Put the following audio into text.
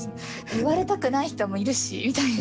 言われたくない人もいるしみたいな。